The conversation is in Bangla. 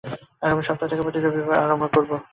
আগামী সপ্তাহ থেকে প্রতি রবিবার বক্তৃতা আরম্ভ করব।